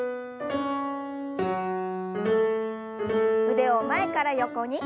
腕を前から横に。